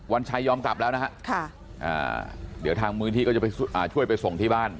วันชัยยอมกลับแล้วนะค่ะจะช่วยไปส่งที่บ้าน